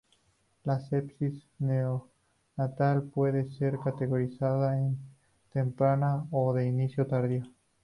La sepsis neonatal puede ser categorizada en temprana o de inicio tardío.